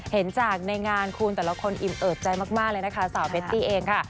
เห็นจากในงานคุณแต่ละคนอิ่มเอิบใจมากเลยนะคะสาวเบตตี้เองค่ะ